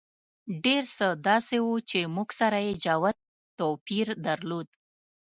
ډېر څه داسې وو چې موږ سره یې جوت توپیر درلود.